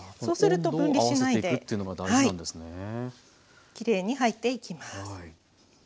そうすると分離しないできれいに入っていきます。